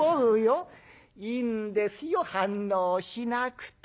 「いいんですよ反応しなくても。